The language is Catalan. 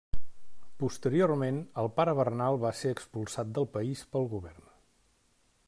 Posteriorment el pare Bernal va ser expulsat del país pel govern.